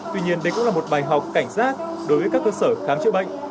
tuy nhiên đây cũng là một bài học cảnh giác đối với các cơ sở khám chữa bệnh